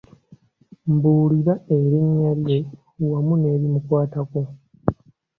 Mbuulira erinnya lye wamu n'ebimukwatako.